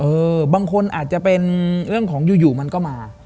บางคนอาจจะเป็นเรื่องของอยู่มันก็มา